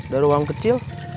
dari uang kecil